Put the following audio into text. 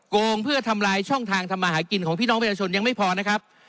โกงเพื่อทำลายช่องทางทำมาหากินของพี่น้องประชาชนยังไม่พอนะครับ